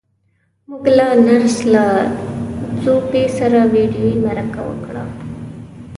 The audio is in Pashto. موږ له نرس لو ځو پي سره ويډيويي مرکه وکړه.